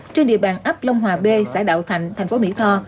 trên địa bàn ấp long hòa b xã đạo thạnh thành phố mỹ tho